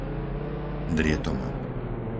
Drietoma